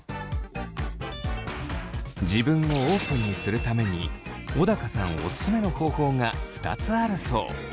自分をオープンにするために小高さんオススメの方法が２つあるそう。